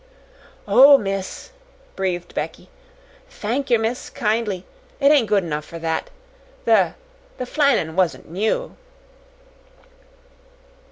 "Oh, miss!" breathed Becky. "Thank yer, miss, kindly; it ain't good enough for that. The the flannin wasn't new."